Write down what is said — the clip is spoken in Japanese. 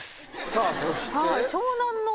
さあそして。